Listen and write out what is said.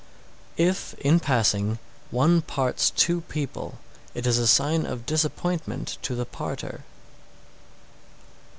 _ 667. If, in passing, one parts two people, it is a sign of disappointment to the parter.